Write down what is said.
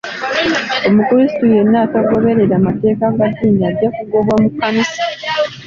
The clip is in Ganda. Omukrisitu yenna atagoberera mateeka ga ddiini ajja kugobwa mu kkanisa.